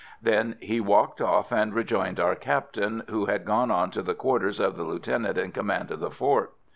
Then he walked off and rejoined our Captain, who had gone on to the quarters of the lieutenant in command of the fort.